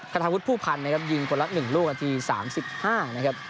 คาทาวุฒิผู้พันธ์นะครับยิงคนละ๑ลูกนาที๓๕นะครับ